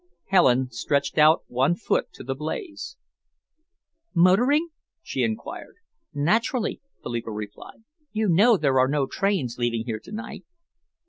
Helen stretched out one foot to the blaze. "Motoring?" she enquired. "Naturally," Philippa replied. "You know there are no trains leaving here to night."